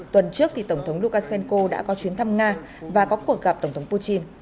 tuần trước tổng thống lukashenko đã có chuyến thăm nga và có cuộc gặp tổng thống putin